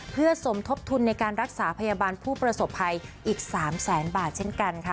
เพื่อสมทบทุนในการรักษาพยาบาลผู้ประสบภัยอีก๓แสนบาทเช่นกันค่ะ